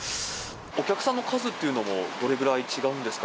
お客さんの数っていうのもどれぐらい違うんですか？